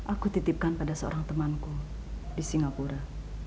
aku titipkan pada seorang temanku di singapura